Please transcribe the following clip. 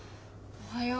おはよう。